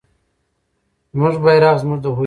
زموږ بیرغ زموږ د هویت نښه ده.